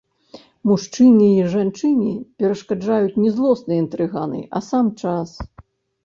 Мужчыне й жанчыне перашкаджаюць не злосныя інтрыганы, а сам час.